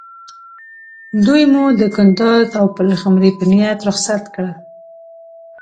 دوی مو د کندوز او پلخمري په نیت رخصت کړل.